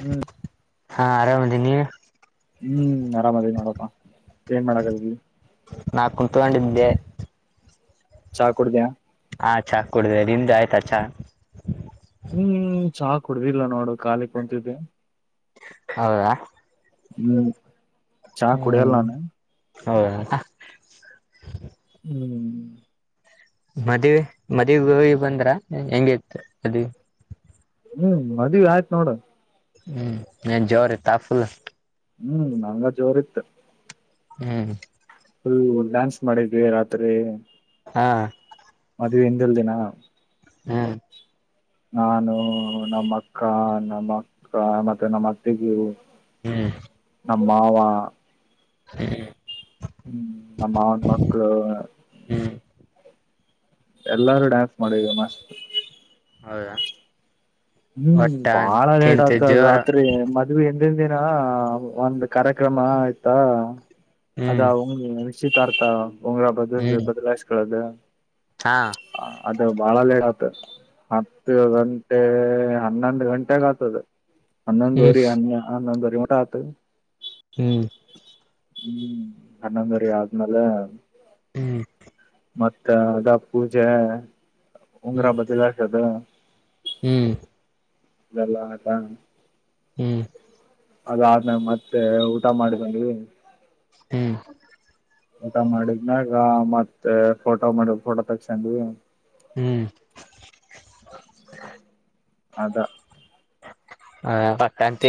ಹ್ಮ್. ಹಾ ಆರಾಮಿದಿನ್ ನೀವ್ ಹ್ಮ್ ಆರಾಮದೇ ನೋಡಪ್ಪ ಏನ್ ಮಾಡಕ [unintelligible] ನಾ ಕುಂತಗೊಂಡಿದ್ದೆ. ಚಾ ಕುಡ್ದಯ. ಹಾ ಚಾ ಕುಡುದೆ ನಿಮ್ದ ಆಯ್ತಾ ಚಾ. ಹ್ಮ್ ಚಾ ಕುಡುದಿಲ್ಲ ನೋಡು ಖಾಲಿ ಕುಂತಿದ್ದೆ. ಹೌದಾ ಹ್ಮ್ ಚಾ ಕುಡಿಯಲ್ಲ ಹ್ಮ್ ನಾನು ಹೌದ. ಹ್ಮ್ ಮದಿವೆ ಮದಿವ್ಗ್ ಹೋಗಿ ಬಂದ್ರ ಹೆಂಗ ಇತ್ತು [unintelligible] ಹ್ಮ್ ಮದ್ವಿ ಆಯ್ತ್ ನೋಡ. ಹ್ಮ್ ಏನ್ ಜೋರ ಇತ್ತ ಫುಲ್. ಹ್ಮ್ ನಂಗ ಜೋರ್ ಇತ್. ಹ್ಮ್ ಫುಲ್ ಡಾನ್ಸ್ ಮಾಡಿದ್ವಿ ರಾತ್ರಿ. ಹಾ ಮದವೆ ಹಿಂದಿನ ದಿನ. ಹ. ನಾನು ನಮ್ಮ ಅಕ್ಕ ನಮ್ಮಕ್ಕ ಮತ್ತೆ ನಮ್ಮ ಅತ್ತಿದ್ಲು. ಹ ನಮ್ ಮಾವ. ಹ ನಮ್ ಮಾವನ್ ಮಕ್ಕಳು. ಹ್ಮ್ ಹ್ಮ್ ಎಲ್ಲಾರೂ ಡ್ಯಾನ್ಸ್ ಮಾಡಿದ್ವಿ ಮ. ಹೌದಾ. ಹ್ಮ್ ಒಟ್ಟ ಬಾಳ ಲೇಟ್ ತಿಂತ [unintelligible] ಜೋರ ರಾತ್ರಿ ಮತ್ [unintelligible] ಹಿಂದಿನ ದಿನ ಒಂದು ಕಾರ್ಯಕ್ರಮ ಇತ್ತ ಹ್ಮ್ ಅದು [unintelligible] ನಿಶ್ಚಿತಾರ್ತ ಉಂಗರ ಬದ ಬದಲಾಯಿಸಕಳದ. ಹ ಅದು ಬಾಳ ಲೇಟ್ ಆಗ್ತದೆ ಹತ್ತು ಗಂಟೆ. ಹನ್ನೊಂದ ಗಂಟೆಗ ಆಗ್ತದೆ ಹ್ಮ್ ಹನ್ನೊಂದುವರಿ ಹನ್ಯ ಹನ್ನೊಂದುವರಿ [unintelligible] ಆತು. ಹ್ಮ ಹನ್ನೊಂದವರಿ ಆದ್ಮೇಲೆ ಹ್ಮ್ ಮತ್ತೆ ಅದ ಪೂಜೆ ಉಂಗರ ಹ್ಮ್ ಬದಲಾಸೋದು. ಹ್ಮ್ ಇದೆಲ್ಲ ಆಯ್ತಾ. ಹ್ಮ್ ಅದಾದ್ಮೇಲ ಮತ್ತೆ ಊಟ ಮಾಡ ಬಂದ್ವಿ. ಹ್ಮ್ ಊಟ ಮಾಡಿದನಾಗ ಮತ್ತೆ ಫೋಟೋ ಮಾಡಿ ಫೋಟೋ ತಕ್ಸೊಂಡ್ ಹ್ಮ್ ಅದ ಅಂತ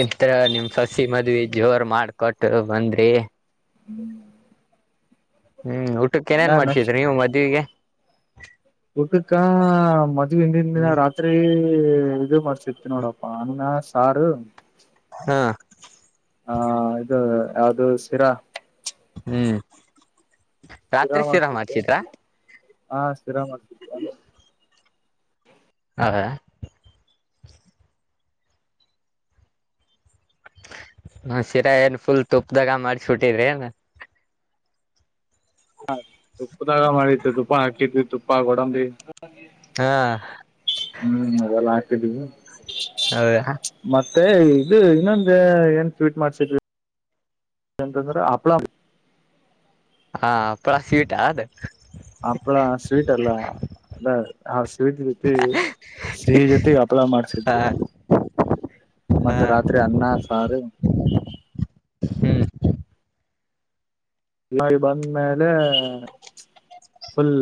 ನಿಮ್ ಸಸಿ ಮದ್ವಿ ಜೋರ್ ಮಾಡ್ಕೊಟ್ಟು ಬಂದ್ರಿ ಹ್ಮ್ ಹ್ಮ್ ಊಟಕ್ಕೆ ಇನ್ನ ನೇನ್ ಮಾಡ್ಸಿದ್ ನೆಕ್ಸ್ಟ್ ನೀವು ಮದ್ವಿಗೆ ಊಟಕ್ಕ ಮದವಿ ಹಿಂದಿನ ದಿನ ರಾತ್ರಿ ಇದು ಮಾಡ್ತ ಸಿತ ನೋಡಪ್ಪ ಅಣ್ಣ ಸಾರು ಹ್ಮ್ ಹ ಇದು ಯಾವ್ದದು ಶಿರಾ ಹ್ಮ್ ಸಿರ ರಾತ್ರಿ ಶಿರಾ ಮಾಡ್ಸಿದ್ದೆ ಮಾಡ್ಸಿದ್ರಾ ಹಾ ಸಿರ ಮಾಡ್ಸಿದ್ದೆ ಹೌದಾ ಹ ಶಿರಾ ಏನ್ ಫುಲ್ ತುಪ್ಪದಾಗ ಮಾಡ್ಸಬಿಟ್ಟಿದ್ರಿ ಏನು ಹ ತುಪ್ಪದಾಗ ಮಾಡವಿ ತುಪ್ಪ ಹಾಕಿದ್ವಿ ತುಪ್ಪ ಕೊಡಂಬಿ ಹಾ ಹ್ಮ್ ಅದೆಲ್ಲ ಹಾಕಿದೀವಿ ಹೌದಾ ಮತ್ತೆ ಇದು ಇನ್ನೊಂದ ಏನ್ ಸ್ವೀಟ್ ಮಾಡ್ಸಿದ್ವಿ ಏನಂತಂದ್ರ ಹಪ್ಪಳ ಮ ಹಾ ಹಪ್ಪಳ ಸ್ವೀಟ್ ಅದು ಹಪ್ಳ ಸ್ವೀಟ್ ಅಲ್ಲ ಅದ ಹಾ ಸಿಹಿದ ಜೊತೆ ಸಿಹಿ ಜೊತೆಗೆ ಹಪ್ಪಳ ಹಾ ಮಾಡ್ಸಿದ್ವಿ ಹಾ ಮತ್ತೆ ರಾತ್ರಿ ಅನ್ನ ಸಾರು ಹ್ಮ್ ಬಂದ ಮೇಲೆ ಫುಲ್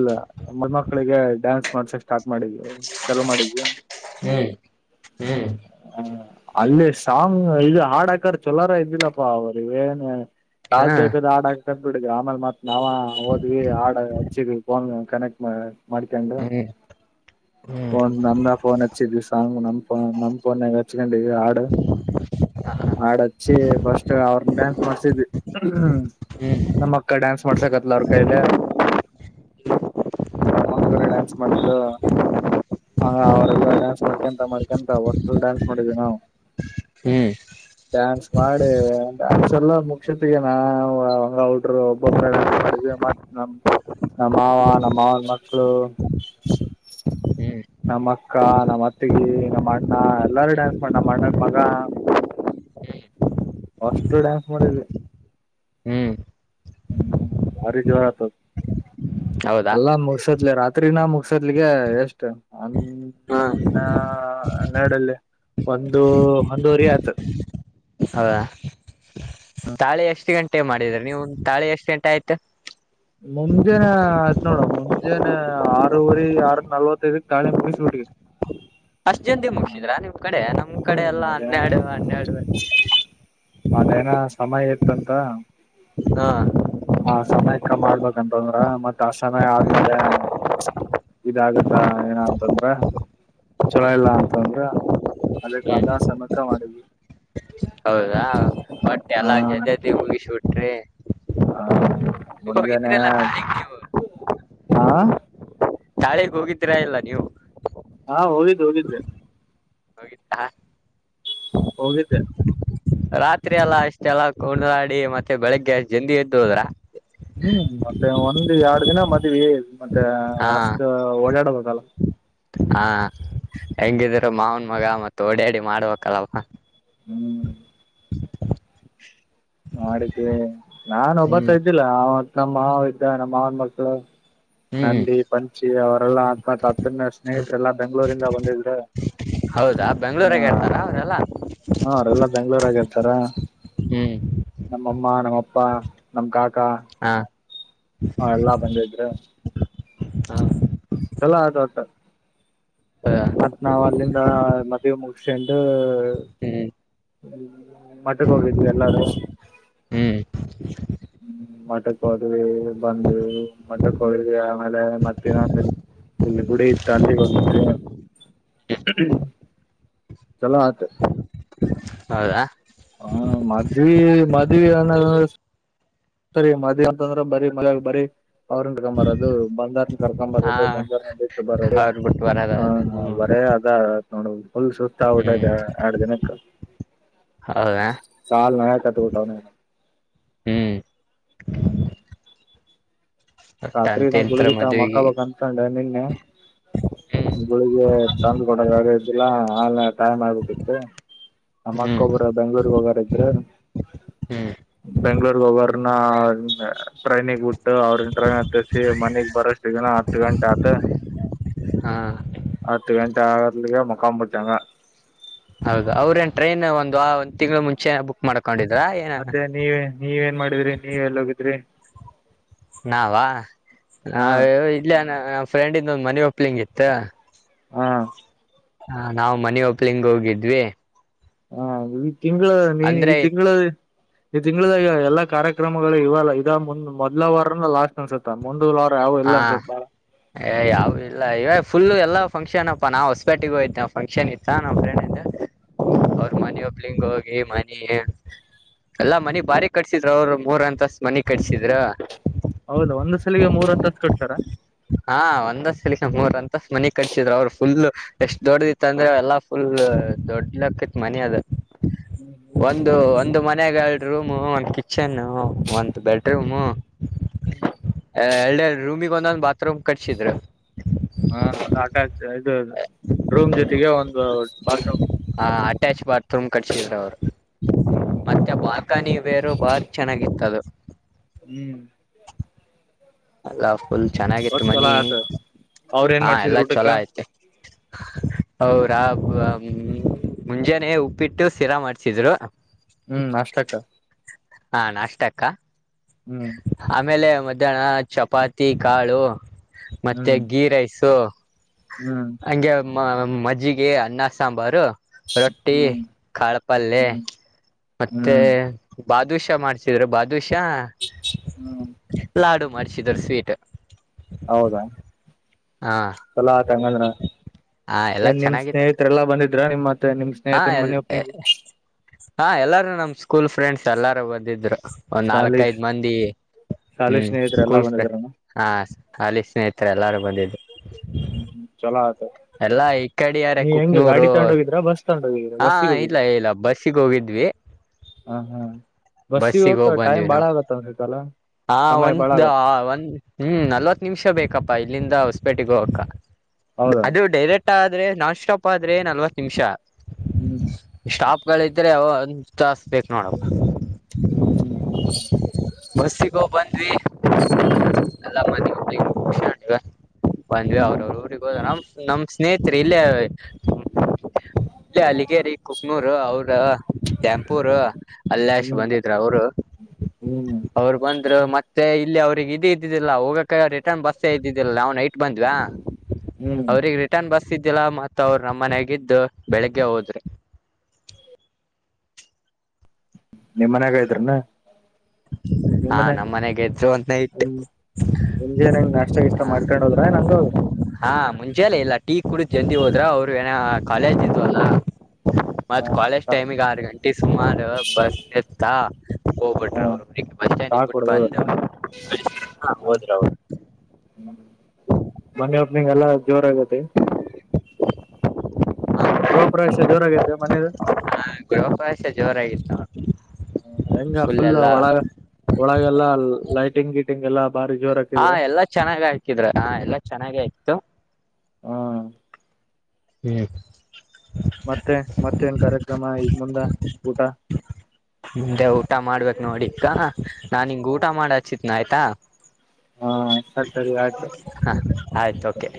ಮದಮಕ್ಕಳಿಗೆ ಡ್ಯಾನ್ಸ್ ಮಾಡ್ಸಕ್ ಸ್ಟಾರ್ಟ್ ಮಾಡಿದ್ವಿ ಕೆಲ ಮಾಡಿದ್ವಿ ಹ್ಮ್ ಹ್ಮ್ ಹ ಅಲ್ಲಿ ಸಾಂಗ್ ಇದು ಹಾಡಾಕಾರ್ ಚೊಲೋರ ಇದ್ದಿಲ್ಲಪ್ಪಾ ಅವ್ರ ಏನ್ ಹಾ ಯಾವ್ ಬೇಕಾದದು ಆಡ ಬಿಡಿದವಿ ಆಮೇಲೆ ಮತ್ ನಾವ ಹಓದ್ವಿ ಆ ಹಚ್ಚಿದ್ವಿ ಫೋನ್ ಕನೆಕ್ಟ್ ಮಾಡ ಮಾಡ್ಕಂಡ ಹ್ಮ್ ಹ್ಮ್ ಫೋನ್ ನಮ್ಮ ಫೋನ್ ಹಚ್ಚಿದ್ವಿ ಸಾಂಗ್ ನಂಪ ನಂಪನ್ಯಾಗ ಹಚ್ಕೊಂಡವಿ ಆ ಆಾಡ ಹಚ್ಚಿ ಫಸ್ಟ್ ಅವ್ರನ್ನ ಡ್ಯಾನ್ಸ್ ಮಾಡ್ಸಿದ್ವಿ ಹ್ಮ ಹ್ಮ್ ನಮ್ಮ್ ಅಕ್ಕ ಡ್ಯಾನ್ಸ್ ಮಾಡ್ಸಕತ್ಲ ಅವ್ರ ಕೈಲೆ ನಮ್ಮ ಮಕ್ಕನೇ ಡ್ಯಾನ್ಸ್ ಮಾಡಿದು ಆ ಅವ್ರಲ್ಲ ಡ್ಯಾನ್ಸ್ ಮಾಡ್ಕ ಎಂತ ಮಾಡ ಅಂತಸ್ಲ್ ಡಾನ್ಸ್ ಮಾಡಿದೀವಿ ನಾವು ಹ್ಮ್ ಡ್ಯಾನ್ಸ್ ಮಾಡಿ ಡ್ಯಾನ್ಸ್ ಎಲ್ಲ ಮುಖ್ಯತ್ಗ ನಾ ಹಂಗ ಅವಟ್ರು ಒಬ್ಬೊಬ್ಬರ ಡ್ಯಾನ್ಸ್ ಮಾಡಿದ್ವಿ ಮತ್ತೆ ನಮ್ಮ ಮಾವ ನಮ್ ಮಾವನ ಮಕ್ಕಳು ಹ್ಮ್ ನಮ್ಮ ಅಕ್ಕ ನಮ್ಮ್ ಅತ್ತಗಿ ನಮ್ಮ ಅಣ್ಣ ಎಲ್ಲಾರು ಡ್ಯಾನ್ಸ್ ಮಾಡಿ ನಮ್ಮ್ ಅಣ್ಣನ ಮಗ ಅಷ್ಟ ಡ್ಯಾನ್ಸ್ ಮಾಡಿದೆ ಹ್ಮ್ ಹ್ಮ್ ಭಾರಿ ಜೋರ ಆತ ಹೌದಾ ಎಲ್ಲಾ ಮುಷೋದ್ಲೆ ರಾತ್ರಿ ತ್ರಿನಾ ಮುಗಸದ್ಗೆ ಎಷ್ಟ ಹ್ಮ್ ಹಾ ಹನ್ನೆರಡಲ್ಲಿ ಒಂದು ಒಂದುವರಿ ಆಯ್ತು ಹೌದಾ ತಾಳಿ ಎಷ್ಟು ಗಂಟೆ ಮಾಡಿದ್ರಿ ನೀವು ತಾಳಿ ಎಷ್ಟು ಗಂಟೆ ಆಯ್ತು ಮುಂಜೆನೆ ಆಯ್ತ್ ನೋಡ ಮುಂಜಾನೆ ಆರುವರೆ ಆರ ನಲ್ವತ್ತೈದ ತಾಳಿ ಮುಗಿಸಿಬಿಟ್ವಿ [inaudible] ಅಷ್ಟ್ ಜಲ್ದಿ ಮುಗಿಸಿದ್ರ ನಿಮ್ ಕಡೆ ನಮ್ ಕಡೆ ಎಲ್ಲಾ ಅದೇನ ಹನ್ನೆರಡು ಹನ್ನೆರಡು ಅದೇನೋ ಸಮಯ ಇತ್ತಂತ ಹ ಹ ಸಮಯಕ್ಕ ಮಾಡ್ಬೇಕಂತ ಅಂದ್ರ ಮತ್ತ ಆ ಸಮಯ ಆದ್ಮೇಲೆ ಇದಾಗತ್ತ ಏನ ಅಂತಂದ್ರ ಚೊಲೋ ಹ್ಮ್ ಇಲ್ಲ ಅಂತ ಅಂದ್ರ ಅದಕ್ಕ ಹ್ಮ್ ಅದ ಸಮಯಕ್ಕೆ ಮಾಡಿದ್ವಿ ಹೌದಾ ಒಟ್ ಹಾ ಎಲ್ಲಾ ಜಲ್ದಿ ಜಲ್ದಿ ಮುಗಿಸಿಬಿಟ್ರಿ ಹಾ ಮುಂಜಾನೆ ತಾಳಿಗ್ ನೀವು ಹಾ ತಾಳಿಗೆ ಹೋಗಿದ್ರಾ ಇಲ್ಲ ನೀವು ಹಾ ಹೋಗಿದ್ದು ಹೋಗಿದೆ ಹೋಗಿತ್ತಾ ಹೋಗಿದ್ದೆ ರಾತ್ರಿ ಎಲ್ಲಾ ಅಷ್ಟೆಲ್ಲ ಕೊಂಡಾಡಿ ಮತ್ತೆ ಬೆಳಿಗ್ಗೆ ಅಷ್ಟ ಜಲ್ದಿ ಎದ್ದು ಹೋದ್ರ ಹ್ಮ್ ಮತ್ತೆ ಒಂದ ಎರಡು ದಿನ ಮದ್ವಿ ಮತ್ತೆ ಹಾ ಅಷ್ಟ ಓಡಾಡಬೇಕಲ್ಲ ಹಾ ಹೆಂಗಿದ್ರು ಮಾವನ್ ಮಗ ಮತ್ತ ಓಡ್ಯಾಡಿ ಮಾಡಬೇಕಲ್ವಾಪ್ಪ ಹ್ಮ್ [inaudible] ಮಾಡಿದ್ವಿ ನಾನ್ ಹ್ಮ್ ಒಬ್ಬತ ಇದ್ದಿಲ್ಲ ಅವತ್ ನಮ್ಮ ಮಾವ ಇದ್ದ ನಮ್ಮ ಮಾವನ ಮಕ್ಕಳು ಹ್ಮ್ ನಂದಿ ಪಂಚಿ ಅವರೆಲ್ಲಾ ಅತ್ಮತ್ ಅತ್ನ ಸ್ನೇಹಿತರೆ ಎಲ್ಲಾ ಬೆಂಗ್ಗಳೂರಿಂದ ಬಂದಿದ್ರು [inaudible] ಹೌದಾ ಬೆಂಗಳುರುರಗೆ ಇರ್ತಾರಾ ಅವರೆಲ್ಲ ಹ್ಮ ಅವ್ರ ಎಲ್ಲಾ ಬೆಂಗಳೂರಗೆ ಇರ್ತಾರ ಹ್ಮ್ ನಮ್ಮ ಅಮ್ಮ ನಮ್ಮ ಅಪ್ಪ ನಮ್ ಕಾಕಾ ಹಾ ಎಲ್ಲಾ ಬಂದಿದ್ರು ಚಲೋಅದೋ ಒಟ್ಟು [inaudible] ಮತ್ತ್ ನಾವ್ ಅಲ್ಲಿಂದ ಮದುವೇ ಮುಗಿಸಿಕೊಂಡು ಹ್ಮ ಮಠಕ್ಕೆ ಹೋಗಿದ್ವಿ ಎಲ್ಲಾರು ಹ್ಮ್ ಮಠ ಮಠಕ್ಕೆ ಹೋದ್ವಿ ಬಂದಿವಿ ಮಠಕ್ಕೆ ಹೋಗಿದ್ವಿ ಆಮೇಲೆ ಮತ್ತೆ ಇನ್ನ ಗುಡಿ ಇತ್ತು ಅಲ್ಲಿಗೆ ಹೋಗಿದ್ವಿ ಚಲೋ ಆಯ್ತು ಹೌದಾ ಹ್ಮ್ ಮದ್ವಿ ಮದ್ವಿ [unintelligible] ಮದ್ವಿ ಅಂತಂದ್ರ ಬರೀ ಬರೀ ಬರೋದು ಬಂದಾದ್ಮೇಲೆ ಕರ್ಕೊಂಡು ಹಾ ಬರೋದು ಬಂದವರ ಬಿಟ್ಟು ಬರೋದು ಅವ್ರ ಬಿಟ್ಟು ಬರದ ಹ ಹ್ಮ್ ಬರೀ ಅ ನೋಡು ಫುಲ್ ಸುಸ್ತು ಹ್ಮ್ ಆಗ್ಬಿತೈತೆ ಎರಡು ದಿನಕ್ಕೆ ಹೌದಾ ಸಲ್ ನ್ಯಾಯ ಕಟ್ಟುಬಿಟವ್ನೆ ಹ್ಮ್ ಹ್ಮ್ ಒಟ್ಟ ರಾತ್ರಿ ನಾಗ ಅಂತಿಂತ್ರ ಉಳಗಿತ ಮಕ್ಕ ಮದ್ವಿಗೆ ಬಕ್ ಅನ್ಕೊಂಡೆ ನಿನ್ನೆ ಗುಳಗ್ಗೆ ತಂದು ಕೊಡ ಆಗಿಲ್ಲ ಆಲ್ಲ ಟೈಮ್ ಆಗ್ಬೇಕಿತ್ತು ನಮ್ಮ ಹ್ಮ್ ಅಕ್ಕೊಬ್ಬರ ಬೆಂಗ್ಳೂರ್ಗ್ ಹೋಗಾರ ಇದ್ರೆ ಹ್ಮ ಬೆಂಗ್ಳೂರ್ಗ್ ಒಬ್ಬರ್ನ ಟ್ರೈನಿಗೆ ಬಿಟ್ಟು ಅವ್ರ ಹ ಮನೆಗ್ ಬರಸ್ತಿದನ ಹತ್ತು ಗಂಟೆ ಆತ ಹಾ ಹತ್ತು ಗಂಟೆ ಆಗರ್ಲಗೆ ಮುಖಾಂಬತಂಗ ಹೌದು ಅವ್ರ ಏನ್ ಟ್ರೈನ್ ಒಂದು ಆ ಒಂದ್ ತಿಂಗಳು ಮುಂಚೆ ಬುಕ್ ಮಾಡ್ಕೊಂಡಿದ್ರಾ ಏನ ನೀವ ನೀವೇನ್ ಮಾಡಿದ್ರಿ ನೀವ್ ಎಲ್ಲಿೋಗಿದ್ರಿ ನಾವ ಹ ನಾವ ಇ ನ ಫ್ರೆಂಡಿಂದೊ್ ಮನ ಒಪ್ಲಿಂಗಿತ್ತು ಹಾ ಹ ನಾ್ ಮನಿ ಒಪ್ಲಿಂಗ ಹೋಗಿದ್ವಿ ಹಾ ಈ ತಿಂಗಳ ನೀನ್ ಈ ಅಂದ್ರೆ ತಿಂಗಳ ಈ ತಿಂಗಳದಾಗ ಎಲ್ಲಾ ಕಾರ್ಯಕ್ರಮಗಳು ಇವಲ್ಲ ಇದ್ ಮೊದಲ ವಾರನ ಲಾಸ್ಟ್ ಅನ್ಸುತ್ತತ ಮುಂದ ಲಾರ ಯಾವವು ಎಲ್ಲ ಹಾ ಅನ್ಸಾ ಏ ಯಾವ ಇಲ್ಲ ಇವ ಫುಲ್ ಎಲ್ಲ ಫಂಕ್ಷನ್ ಅಪ್ಪಾ ನಾ ಹೊಸಪೇಟೆಗೆಗ ಹೋತ ನ್ ಫಂಕ್ಷನ್ ಇತ್ತ ನಮ್ಮ್ ಫ್ರೆಂಡ್ ಹ್ಮ್ ಅವ್ರ ಮನಿ ಒಪ್ಲಿಂಗ ಹೋಗಿ ಮನ ಎಲ್ಲಾ ಮನಿ ಬಾಡಿ ಗೆಕಟ್ಸಿದ್ರ ಅವ್ರ ಮೂರ್ ಅಂತಸ್ ಮನಿ ಕಟ್ಸಿದ್ರ ಹೌದಾ ಒಂದು ಸಲಿಗೆ ಮೂರ ಅಂತ ಕಟ್ತರ್ ಹಾ ಒಂದಷ್ಟ ಸ ಮೂರ್ ಅಂತಸ್ ಮನ ಕಟ್ಸಿದ್ರು ಅವ್ರು ಫುಲ್ ಎಷ್ಟ್ ದೊಡ್ಡದ ಇತ್ತ ಅಂದ್ರೆ ಎಲ್ಲಾ ಫುಲ್ ದೊಡ್ಲಕ್ಕಿತ್ ಮನ ಅದ ಒಂದು ಒಂದು ಮನೆ ರೂಮ್ ಒಂದು ಕಿಚನ್ ಒಂದು ಬೆಡ ರೂಮ್ ಹ್ಮ್ ಎಡೆಡು ರೂಮಿಗೆ ಒಂದೊಂದ್ ಬಾತ್ರೂಮ್ ಕಟ್ಸಿದ್ರು ಹಾ ಅಟ್ಯಾಚ್ ಇದುದು ರೂಮ್ ಜೊತೆಗೆ ಒಂದು ಬಾತ್ರೂಮ್ ಹಾ ಅಟ್ಯಾಚ್ ಬಾತ್ರೂಮ್ ಕಟ್ಸಿದ್ರ ಅವ್ರು ಹ್ಮ್ ಮತ್ತೆ ಬಾಲ್ಕನಿ ಬೇರು ಬಾರಿ ಚೆನ್ನಾಗಿ ಇತ್ತದು ಹ್ಮ್ ಎಲ್ಲಾ ಫುಲ್ ಚೆನ್ನಾಗಿತ್ತು ಒಟ್ ಚಲೋ ಮನಿ ಆತ ಅವ್ರ ಏನ್ ಹಾ ಮಾಡ್ಸಿದ್ರು ಎಲ್ಲಾ ಊಟಕ್ಕ ಚಲೋ ಆಐತೆ ಹೌರಾ ಮುಂಜಾನೆ ಉಪ್ಪಿಟ್ಟು ಶಿರಾ ಮಾಡ್ಸಿದ್ರು ಹ್ಮ್ ಅಷ್ಟಕ್ಕ ಹಾ ನಾಷ್ಟ ಅಕ್ಕ ಹ್ಮ್ ಆಮೇಲೆ ಮಧ್ಯಾಹ್ನ ಚಪಾತಿ ಕಾಳು ಮತ್ತೆ ಹ್ಮ್ ಗೀ ರೈಸು ಹ್ಮ್ ಹಂಗೆ ಮಜ್ಜಿಗೆ ಅನ್ನ ಸಾಬರು ರೊಟ್ಟಿ ಹ್ಮ್ ಕಾಳಪಲ್ಯ ಹ್ಮ್ ಮತ್ತೆ ಹ್ಮ್ ಹ್ಮ್ ಬಾದಷ ಮಾಡ್ಸಿದ್ರು ಬಾದೂಷ ಹ್ಮ ಲಾಡು ಮಾಡ್ಸಿದ್ರು ಸ್ವೀಟ್ ಹೌದಾ ಹಾ ಸಲ ಆತಂಗಂದ್ರ ಹಾ ಎಲ್ಲಾ ಏನ್ ನಿಮ್ ಚೆನ್ನಾಗಿತ್ತು ಸ್ನೇಹಿತ ಎಲ್ಲ ಬಂದಿದ್ರ ನಿಮ್ಮ ಮತ್ತೆ ನಿಮ್ ಹಾ ಸ್ನೇಹಿತನ್ ಎಲ್ ಮನ್ನಿ ಒಪ್ನಿಗೆ ಹಾ ಎಲ್ಲಾರು ನಮ್ ಸ್ಕೂಲ್ ಫ್ರೆಂಡ್ಸ್ ಎಲ್ಲಾರು ಬಂದಿದ್ರು ಒಂದ್ ಸಾಲಿ ನಾಲ್ಕೈದ್ ಮಂದಿ ಸಾಲಿ ಹ್ಮ್ ಸ್ನೇಹಿತರೆ ಎಲ್ಲಾ ಸ್ಕೂಲ್ ಫ್ರ ಬಂದಿದ್ರನ ಹಾ ಅಲ್ಲಿ ಸ್ನೇಹಿತರೆ ಎಲ್ಲಾರಗೂ ಬಂದಿದ್ದು ಹೂ ಹೂ ಚೋಲ ಐತು ಎಲ್ಲಾ ಈ ಕಡಿಯಾರ ಕುಕ್ನೂರು ಹೋಗಿದ್ರ ಬಸ್ ತಗೊಂಡ್ ಹೋಗಿದ್ರ ಹಾ ಬಸ್ಸಿಗೆ ಇಲ್ಲ ಹೋಗಿದ್ರ ಇಲ್ಲ ಬಸ್ಸಿಗೆ ಹೋಗಿದ್ವಿ ಹ ಹಾ ಬಸ್ಸಿಗೆ ಹೋಗಕ್ಕ ಟೈಮ್ ಬಾಳ ಆಗತ್ತ ಅಂದತಲ್ಲ ಹಾ ಒಂದು ಒಂದ್ ಹೂ ನಲ್ವತ್ತು ನಿಮಿಷ ಬೇಕಪ್ಪಾ ಇಲ್ಲಿಂದ ಹೊಸಪೇಟೆಗ ಹೋಗಕ ಹೌದಾ ಅದು ಡೈರೆಕ್ಟ್ ಆದ್ರೆ ನಾನ್ ಸ್ಟಾಪ್ ಆದ್ರೆ ನಲ್ವತ್ತು ನಿಮಿಷ ಹೂ ಸ್ಟಾಪ್ ಗಳಿದ್ರೆ ಅವ ತಸ್ ಬೇಕ್ ನೋಡಪ್ಪ ಹೂ ಹೂ ಹೂ ಬಸ್ಸಿಗೋ ಬಂದ್ವಿ ಎಲ್ಲ ಮದುವಿ ಮುಗಿಸಿಕೊಂಡು ಬಂದ್ವಿ ಹ್ಮ್ ಅವ್ರವರು ಊರಿಗೆ ಹೋದ ನಮ್ ನಮ್ ಸ್ನೇಹತ್ರೆ ಇಲ್ಲೇ ಇಲ್ಲಿ ಅಲ್ಲಿಗೇರಿ ಕುಕ್ನೂರು ಅವರ ಕೆಂಪೂರ್ ಅಲ್ಲೇ ಅಷ್ಟ್ ಬಂದಿದ್ರ ಅವರು ಹೂ ಅವ್ರು ಬಂದ್ರು ಮತ್ತೆ ಇಲ್ಲಿ ಅವ್ರಿಗೆ ಇದ ಇದ್ದಿದ್ದಿಲ್ಲ ಹೋಗಕ ರಿಟರ್ನ್ ಬಸ್ಸ ಇದ್ದಿದ್ದಿಲ್ಲ ಅವ್ನ್ ಐಟ್ ಬಂದ್ವಾ ಹೂ ಅವ್ರಿಗೆ ರಿಟರ್ನ್ ಬಸ್ ಇದಿದ್ದಿಲ್ಲ ಮತ್ತು ಅವರು ನಮ್ಮ ಮನಾಗಿದ್ದು ಬೆಳಿಗ್ಗೆ ಹೋದ್ರಿ ನಿಮ್ಮ್ ಮನ್ಯಾಗ ಇದ್ರನ ನಿಮ್ ಹಾ ಮನೆ ನಮ್ಮ್ ಮನೆಗೆ ಇದ್ರು ಸ ಒ ನೈಟ್ ಮುಂಜೆನ್ ಹೆಂಗ್ ನಾಷ್ಟ ಗಿಷ್ಟ ಹ ಮಾಡ್ಕೊಂಡ್ ಹೋದ್ರ ಏನ್ ಹಂಗ ಹೋದ್ರ ಹಾ ಮುಂಚೆಲ್ಲ ಇಲ್ಲ ಟೀ ಕುೂಡ ಎಂದಿ ಹೋದ್ರ ಅವ್ರು ಏನ ಕಾಲೇಜ್ ಇದಿಂದ್ವ ಅಲ್ಲ ಮತ್ ಕಾಲೇಜ್ ಹ ಟೈಮಿಗೆ ಆರು ಗಂಟೆ ಸುಮಾರು ಬಸ್ ಎತ್ತಾ ಹೋಗ್ಬಿಟ್ಟ ಹ ಬಸ್ ಸ್ಟ್ಯಾಂಡ್ ಚಾ ಇಬಟ್ಟ ಕುಡ್ದ ಬಂದು ಹೋದ್ರ ಕಳ ಹೋದ್ರ ಅವ ್ಮ ಮೊನ್ನಿ ಒಬ್ನಗೆ ಎಲ್ಲಾ ಜೋರ ಆಗತಿ ಗೃಹ ಪ್ರ್ರೇಶ ಜೋರಾಗತ್ತೆ ಮನೇದು ಹಾ ಗೃಹಕಾಶ ಜೋರಾಗಿತ್ತು ಅಣ್ಣ ಹೆಂಗ ಫುಲ್ ಒಳ ಒಳಗೆ ಎಲ್ಲಾ ಲೈಟಿಂಗ್ ಗೀಟಿಂಗ್ ಎಲ್ಲಾ ಬಾರಿ ಜೋರ ಹಾಕಿದ್ರ ಎಲ್ಲ ಚನ್ನಾಗ ಆ ಹಾಕ್ಕಿದ್ರ ಆ ಎಲ್ಲ ಚೆನ್ನಾಗೆ ಇತ್ತು ಹೂ ಹೂ ಮತ್ತೆ ಮತ್ತೇನ್ ಕಾರ್ಯಕ್ರಮ ಈ ಮುಂದ ಹ ಈಗ ಊಟ ಮಾಡ್ಬೇಕಕ್ ನೋಡಿಕ್ಕ ನಾನ್ ಹಿಂಗ್ ಊಟ ಮಾಡ ಹಚ್ಚಿತ್ನ ಆಯ್ತಾ ಹಾ ಸ ಸರಿ ಆಯ್ತು ಹ ಆಯ್ತು ಓಕೆ